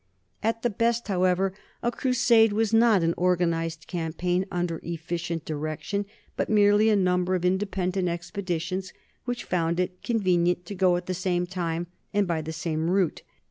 At the best, however, a crusade was not an organized campaign under efficient direction, but merely a number of independent expeditions which found it convenient to go at the same time and by the same route.